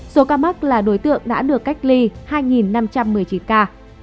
số ca mắc là đối tượng đã được cách ly hai năm trăm một mươi chín ca